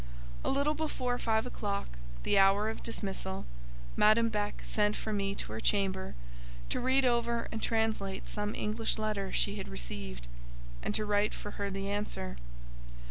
A little before five o'clock, the hour of dismissal, Madame Beck sent for me to her chamber, to read over and translate some English letter she had received, and to write for her the answer.